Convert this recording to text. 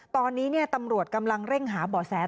ตอนนี้ตำรวจกำลังเร่งหาบ่อแส